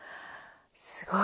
すごい。